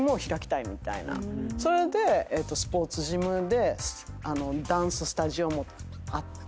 それでスポーツジムでダンススタジオもあって。